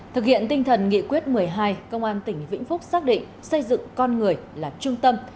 thực hiện tinh thần nghị quyết một mươi hai công an tỉnh vĩnh phúc xác định xây dựng con người là trung tâm